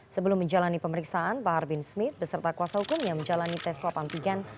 sebelum menjalani pemeriksaan bahar bin smith beserta kuasa hukumnya menjalani tes swab antigen